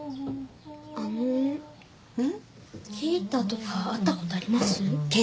ＫＥＩＴＡとか会ったことあります？